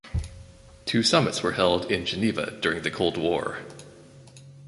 Two summits were held in Geneva during the Cold War.